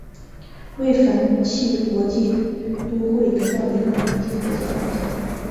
为繁嚣国际都会营造一个宁静和谐环境。